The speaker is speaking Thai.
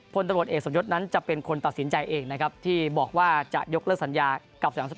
ตรวจเอกสมยศนั้นจะเป็นคนตัดสินใจเองนะครับที่บอกว่าจะยกเลิกสัญญากับ๓๘